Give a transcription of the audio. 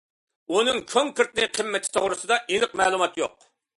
ئۇنىڭ كونكرېتنى قىممىتى توغرىسىدا ئېنىق مەلۇمات يوق.